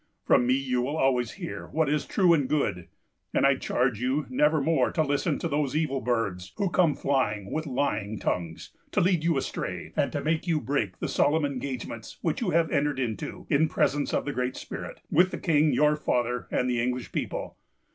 From me you will always hear what is true and good; and I charge you never more to listen to those evil birds, who come, with lying tongues, to lead you astray, and to make you break the solemn engagements which you have entered into, in presence of the Great Spirit, with the King your father and the English people.